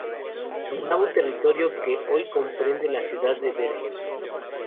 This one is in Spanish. Dominaba un territorio que hoy comprende la ciudad de Bergen.